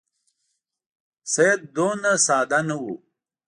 سید دومره ساده نه وو.